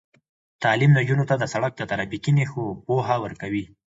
تعلیم نجونو ته د سړک د ترافیکي نښو پوهه ورکوي.